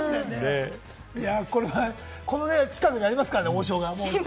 この近くにありますからね、王将は。